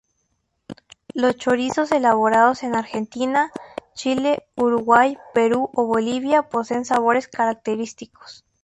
Los chorizos elaborados en Argentina, Chile, Uruguay, Perú o Bolivia poseen sabores característicos.